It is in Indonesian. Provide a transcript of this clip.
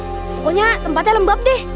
pokoknya tempatnya lembab deh